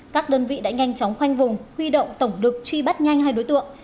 các đơn vị đã nhanh chóng khoanh vùng huy động tổng lực truy bắt nhanh hai đối tượng